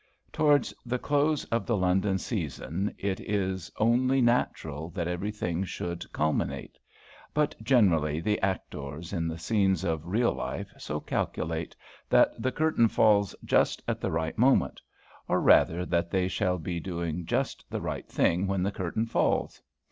Towards the close of the London season it is only natural that everything should culminate; but generally the actors in the scenes of real life so calculate that the curtain falls just at the right moment; or rather, that they shall be doing just the right thing when the curtain falls.